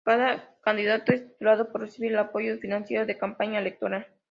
Cada candidato es titulado por recibir el apoyo financiero de campaña electoral.